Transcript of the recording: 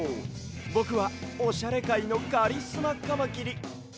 ぼくはオシャレかいのカリスマカマキリカリカマです！